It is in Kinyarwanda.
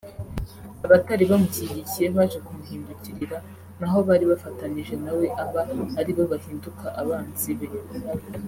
abatari bamushyigikiye baje kumuhindukirira naho abari bafatanije nawe aba aribo bahinduka abanzi be